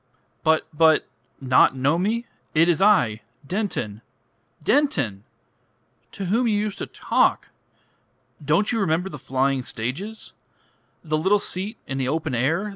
"But but ... Not know me! It is I Denton. Denton! To whom you used to talk. Don't you remember the flying stages? The little seat in the open air?